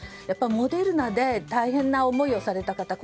やっぱりモデルナで大変な思いをされた方